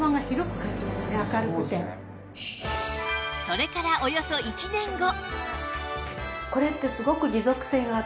それからおよそ１年後